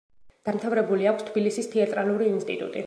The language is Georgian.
დამთავრებული აქვს თბილისის თეატრალური ინსტიტუტი.